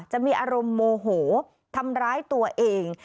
จะมีอารมณ์โมโหทำร้ายตัวเอง